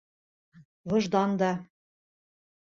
Выждан да...